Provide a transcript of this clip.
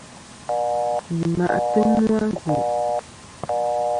Yi ma'tɨ mu a ngu'.